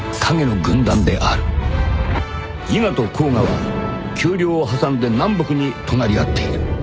［伊賀と甲賀は丘陵を挟んで南北に隣り合っている］